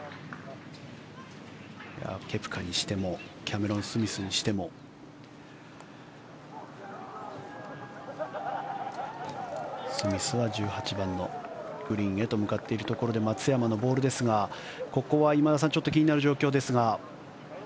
ケプカにしてもキャメロン・スミスにしてもスミスは１８番のグリーンへと向かっているところで松山のボールですがここは今田さんちょっと気になる状況ですが。